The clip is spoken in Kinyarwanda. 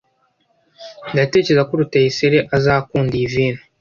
Ndatekereza ko Rutayisire azakunda iyi vino.